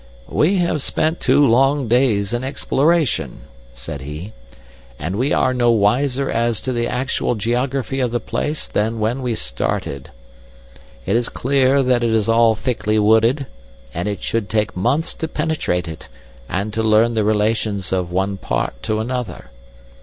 "We have spent two long days in exploration," said he, "and we are no wiser as to the actual geography of the place than when we started. It is clear that it is all thickly wooded, and it would take months to penetrate it and to learn the relations of one part to another.